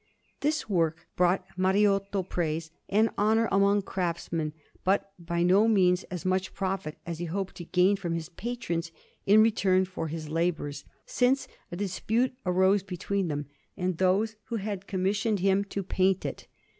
This work brought Mariotto praise and honour among craftsmen, but by no means as much profit as he hoped to gain from his patrons in return for his labours, since a dispute arose between him and those who had commissioned him to paint it.